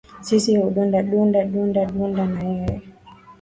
Sisi hudunda dunda, dunda dunda na yeye.